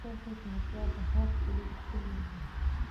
ښه خدمت د هر پلور کلي ده.